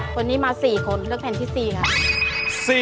คนนี้มา๔คนเลือกแผ่นที่๔ค่ะ